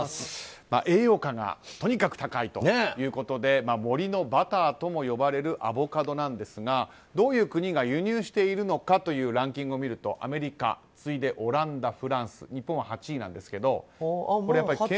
栄養価がとにかく高いということで森のバターとも呼ばれるアボカドなんですがどういう国が輸入しているのかというランキングを見るとアメリカ次いでオランダ、フランス日本は８位ですが。